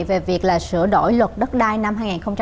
về việc là sửa đổi luật đất đai năm hai nghìn một mươi ba